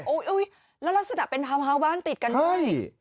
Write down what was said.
โอ้ยแล้วลักษณะเป็นทาวน์ฮาวบ้านติดกันไหม